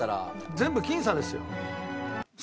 全部僅差ですよ。